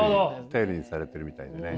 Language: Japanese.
頼りにされてるみたいでね。